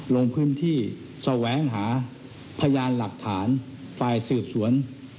ลงพื้นที่แสวงหาพยานหลักฐานฝ่ายสืบสวน